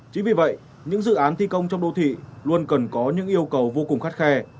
chính vì vậy những dự án thi công trong đô thị luôn cần có những yêu cầu vô cùng khắt khe